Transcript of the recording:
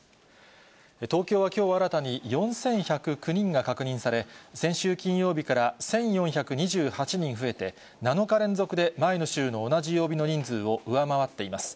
東京はきょう新たに、４１０９人が確認され、先週金曜日から１４２８人増えて、７日連続で前の週の同じ曜日の人数を上回っています。